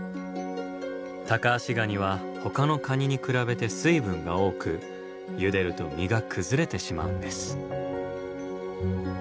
タカアシガニはほかのカニに比べて水分が多くゆでると身が崩れてしまうんです。